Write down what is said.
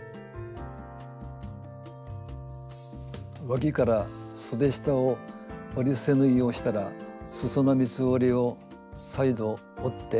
わきからそで下を折り伏せ縫いをしたらすその三つ折りを再度折って。